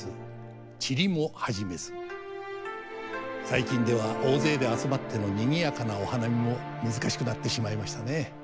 最近では大勢で集まってのにぎやかなお花見も難しくなってしまいましたね。